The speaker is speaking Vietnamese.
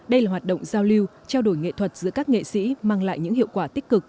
đây là hoạt động giao lưu trao đổi nghệ thuật giữa các nghệ sĩ mang lại những hiệu quả tích cực